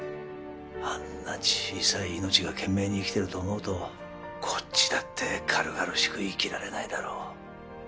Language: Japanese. あんな小さい命が懸命に生きてると思うとこっちだって軽々しく生きられないだろう